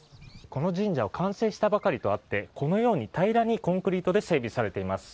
この神社は完成したばかりとあってこのように平らにコンクリートで整備されています。